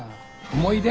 思い出。